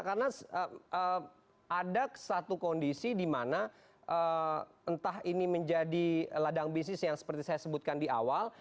karena ada satu kondisi dimana entah ini menjadi ladang bisnis yang seperti saya sebutkan di awal